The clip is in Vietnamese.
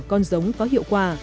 con giống có hiệu quả